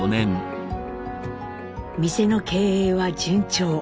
店の経営は順調。